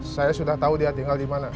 saya sudah tahu dia tinggal dimana